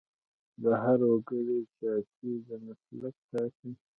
د هر وګړي جاتي د مسلک ټاکي.